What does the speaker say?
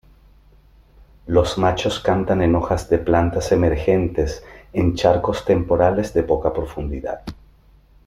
Los machos cantan en hojas de plantas emergentes en charcos temporales de poca profundidad.